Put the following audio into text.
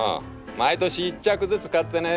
毎年１着ずつ買ってね